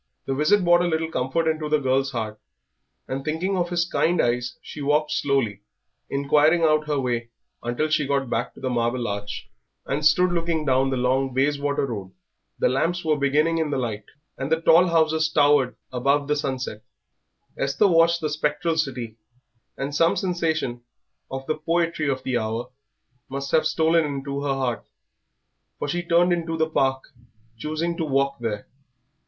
The visit brought a little comfort into the girl's heart; and thinking of his kind eyes she walked slowly, inquiring out her way until she got back to the Marble Arch, and stood looking down the long Bayswater Road. The lamps were beginning in the light, and the tall houses towered above the sunset. Esther watched the spectral city, and some sensation of the poetry of the hour must have stolen into her heart, for she turned into the Park, choosing to walk there.